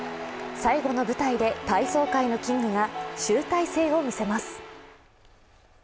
最後の舞台で体操界のキングが集大成を見せます。